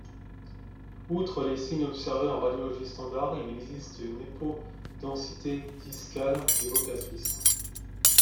Outre les signes observés en radiologie standard il existe une hypodensité discale évocatrice.